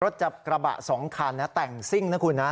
รถจับกระบะสองคันนะแต่งซิ่งนะคุณนะ